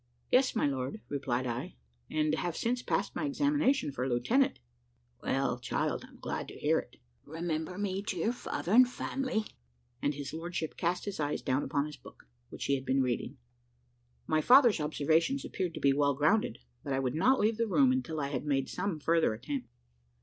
"Yes, my lord," replied I, "and I have since passed my examination for lieutenant." "Well, child, I'm glad to hear it. Remember me to your father and family." And his lordship cast his eyes down upon his book which he had been reading. My father's observations appeared to be well grounded, but I would not leave the room until I had made some further attempt.